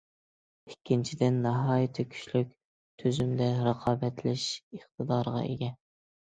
ئىككىنچىدىن، ناھايىتى كۈچلۈك تۈزۈمدە رىقابەتلىشىش ئىقتىدارىغا ئىگە.